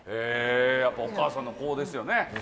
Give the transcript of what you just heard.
やっぱお母さんの子ですよね。